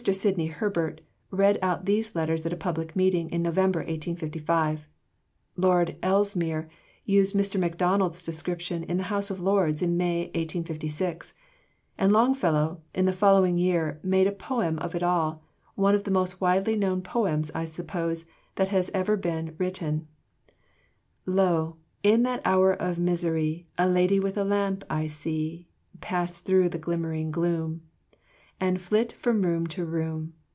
Sidney Herbert read out these letters at a public meeting in November 1855. Lord Ellesmere used Mr. Macdonald's description in the House of Lords in May 1856. And Longfellow, in the following year, made a poem of it all, one of the most widely known poems, I suppose, that have ever been written: Below, p. 270. Below, p. 303. Lo! in that hour of misery A lady with a lamp I see Pass through the glimmering gloom, And flit from room to room.